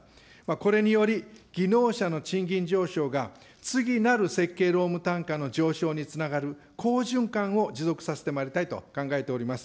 これにより、技能者の賃金上昇が次なる設計労務単価の上昇につながる好循環を持続させてまいりたいと考えております。